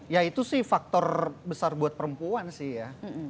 ya itu sih faktor besar buat perempuan sih ya